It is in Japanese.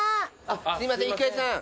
すいません郁恵さん。